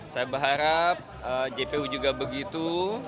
saya berharap jpu juga begitu